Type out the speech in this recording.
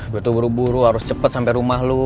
gue tuh buru buru harus cepet sampe rumah lo